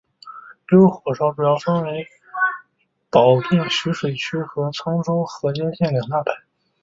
驴肉火烧主要分为保定徐水区和沧州河间县两大派。